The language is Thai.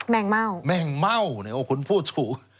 แม่งเม่าแม่งเม่านะโอ้คุณพูดถูก